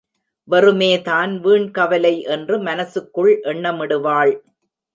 வெறுமேதான் வீண் கவலை என்று மனசுக்குள் எண்ணமிடுவாள்.